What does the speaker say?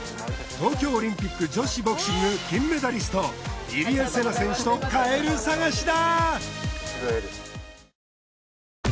東京オリンピック女子ボクシング金メダリスト入江聖奈選手とカエル探しだ！